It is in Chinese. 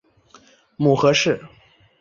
母何氏。